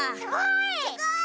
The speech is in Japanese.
すごい！